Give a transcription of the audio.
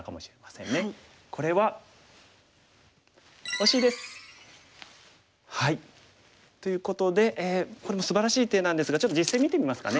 これは。ということでこれもすばらしい手なんですがちょっと実戦見てみますかね。